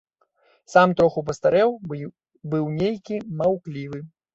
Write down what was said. Сам троху пастарэў, быў нейкі маўклівы.